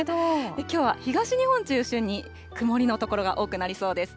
きょうは東日本中心に、曇りの所が多くなりそうです。